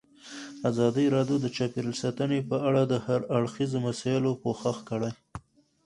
ازادي راډیو د چاپیریال ساتنه په اړه د هر اړخیزو مسایلو پوښښ کړی.